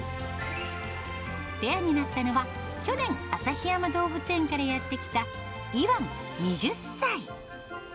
ペアになったのは、去年旭山動物園からやって来た、イワン２０歳。